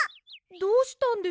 どうしたんです？